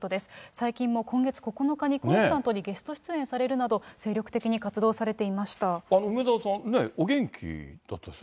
最近も今月９日にコンサートにゲスト出演されるなど、精力的に活梅沢さん、お元気だったです